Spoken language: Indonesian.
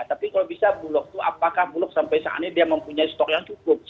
tapi kalau bisa bulog itu apakah bulog sampai saat ini dia mempunyai stok yang cukup